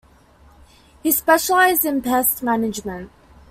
He specialized in pest management.